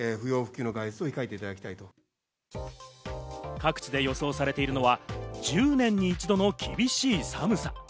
各地で予想されているのは１０年に一度の厳しい寒さ。